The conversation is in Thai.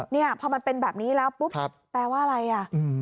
เนี่ยพอมันเป็นแบบนี้แล้วปุ๊บแปลว่าอะไรอ่ะ